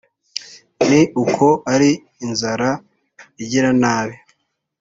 Ni uko ari inzara igira nabi